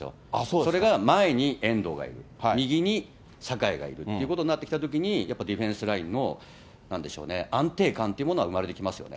それが前に遠藤がいる、右に酒井がいるということになってきたときに、やっぱディフェンスラインも、なんでしょうね、安定感というものが生まれてきますよね。